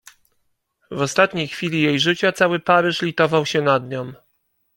"W ostatniej chwili jej życia cały Paryż litował się nad nią."